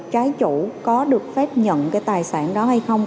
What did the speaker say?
cái chủ có được phép nhận cái tài sản đó hay không